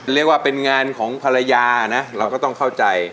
เรียกว่าเป็นงานของภรรยานะเราก็ต้องเข้าใจ